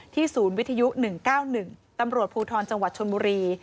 ศูนย์วิทยุ๑๙๑ตำรวจภูทรจังหวัดชนบุรี